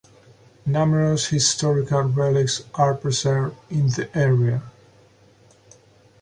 Numerous historical relics are preserved in the area.